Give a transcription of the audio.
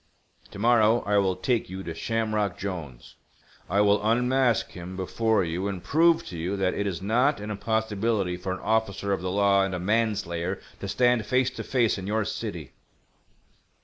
To morrow I will take you to Shamrock Jolnes—I will unmask him before you and prove to you that it is not an impossibility for an officer of the law and a manslayer to stand face to face in your city."